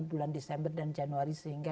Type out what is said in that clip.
bulan desember dan januari sehingga